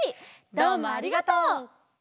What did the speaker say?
どうもありがとう！